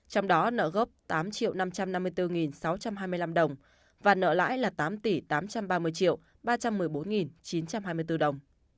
trong đó nợ gốc tám năm trăm năm mươi bốn sáu trăm hai mươi năm đồng và nợ lãi là tám tỷ tám trăm ba mươi ba trăm một mươi bốn chín trăm hai mươi bốn đồng